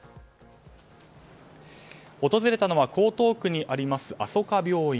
訪れたのは、江東区にありますあそか病院。